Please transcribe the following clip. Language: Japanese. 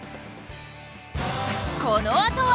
このあとは